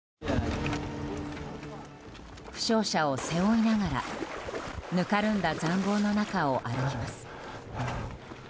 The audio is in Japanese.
負傷者を背負いながらぬかるんだ塹壕の中を歩きます。